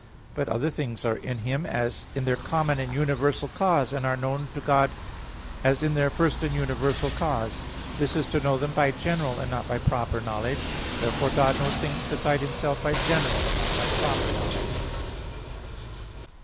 But other things are in Him as in their common and universal cause, and are known by God as in their first and universal cause. This is to know them by general, and not by proper knowledge. Therefore God knows things besides Himself by general, and not by proper knowledge.